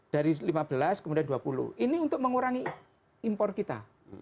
dari lima belas kemudian dua puluh ini untuk mengurangi impor kita